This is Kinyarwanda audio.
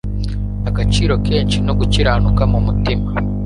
agaciro kenshi no gukiranuka mumitima